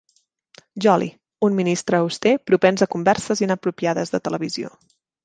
Jolly, un ministre auster propens a converses inapropiades de televisió.